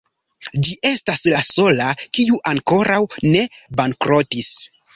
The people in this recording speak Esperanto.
Ĝi estas la sola, kiu ankoraŭ ne bankrotis.